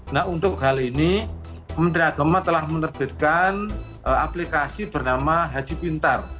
nah untuk hal ini menteri agama telah menerbitkan aplikasi bernama haji pintar